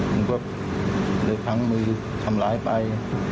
มันก็เลยพังมือทำร้ายไป